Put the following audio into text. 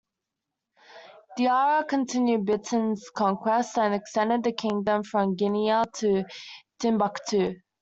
Diarra continued Biton's conquest and extended the kingdom from Guinea to Timbuktu.